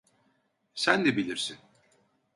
Sen de bilirsin.